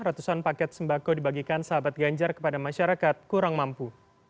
ratusan paket sembako dibagikan sahabat ganjar kepada masyarakat kurang mampu